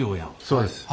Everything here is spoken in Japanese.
そうです。